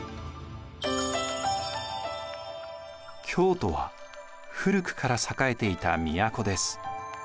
京都は古くから栄えていた都です。